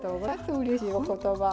うれしいお言葉を。